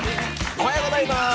おはようございます。